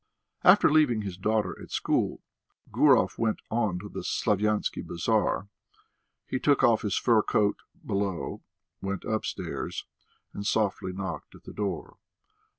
After leaving his daughter at school, Gurov went on to the Slaviansky Bazaar. He took off his fur coat below, went upstairs, and softly knocked at the door.